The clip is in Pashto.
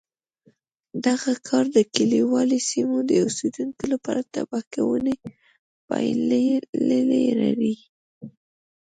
دغه کار د کلیوالي سیمو د اوسېدونکو لپاره تباه کوونکې پایلې لرلې